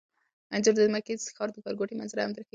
انځور د مکې ښار د ښارګوټي منظره هم ښيي.